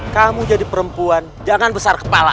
kamu jadi perempuan jangan besar kepala